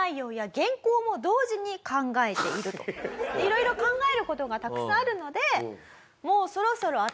色々考える事がたくさんあるので。